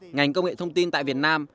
ngành công nghệ thông tin tại việt nam